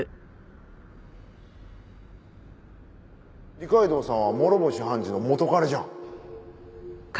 二階堂さんは諸星判事の元彼じゃん。